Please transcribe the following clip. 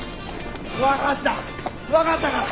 わかったわかったから！